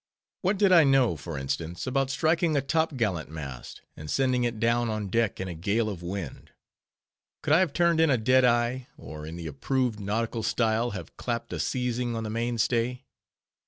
_ What did I know, for instance, about striking a top gallant mast, and sending it down on deck in a gale of wind? Could I have turned in a dead eye, or in the approved nautical style have _clapt a seizing on the main stay?